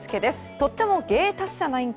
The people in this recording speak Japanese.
とっても芸達者なインコ。